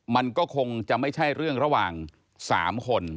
มันก็คงจะไม่ใช่เรื่องระหว่าง๓คน